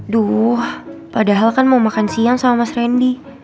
duh padahal kan mau makan siang sama mas randy